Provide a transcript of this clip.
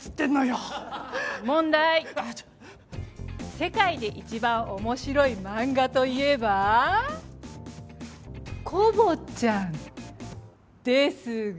世界で一番面白い漫画といえば『コボちゃん』ですが。